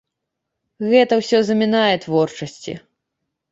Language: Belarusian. Гэта ўсё замінае творчасці.